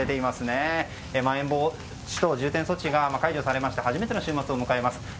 まん延防止等重点措置が解除されまして初めての週末を迎えます。